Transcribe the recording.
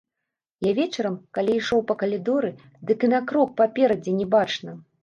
Я вечарам калі ішоў па калідоры, дык і на крок паперадзе не бачна.